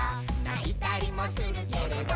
「ないたりもするけれど」